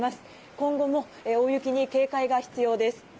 今後も大雪に警戒が必要です。